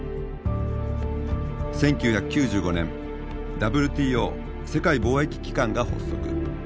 １９９５年ＷＴＯ世界貿易機関が発足。